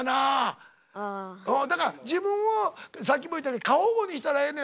だから自分をさっきも言ったように過保護にしたらええのや。